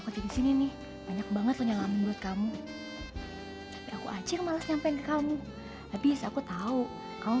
ke sini nih banyak banget yang amat kamu aku aja malas nyampein kamu tapi aku tahu kamu